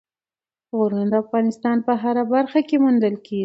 غرونه د افغانستان په هره برخه کې موندل کېږي.